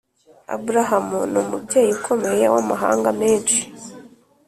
Abrahamu ni umubyeyi ukomeye w’amahanga menshi,